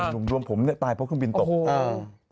หลวงผมเนี่ยตายเพราะเครื่องบินตก